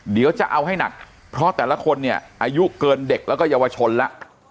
เดี๋ยวจะเอาให้หนักเพราะแต่ละคนเนี่ยอายุเกินเด็กแล้วก็เยาวชนแล้ว